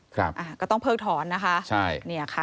ก็ต้องเพิ่งถอนนะคะ